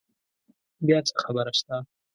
بیا څه خبره شته؟